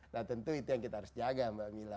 nah tentu itu yang kita harus jaga mbak mila